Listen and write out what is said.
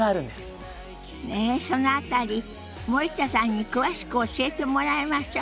ねえその辺り森田さんに詳しく教えてもらいましょ。